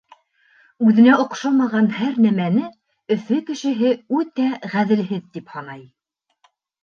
Үҙенә оҡшамаған һәр нәмәне Өфө кешеһе үтә ғәҙелһеҙ тип һанай.